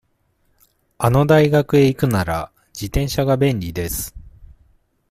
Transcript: あの大学へ行くなら、自転車が便利です。